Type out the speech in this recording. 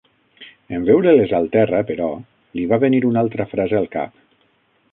En veure-les al terra, però, li va venir una altra frase al cap.